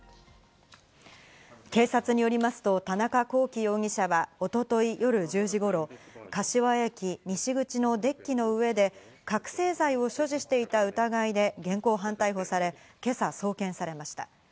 警察によりますと田中聖容疑者は一昨日夜１０時頃、柏駅西口のデッキの上で覚醒剤を所持していた疑いで現行犯逮捕され、今朝送検されました。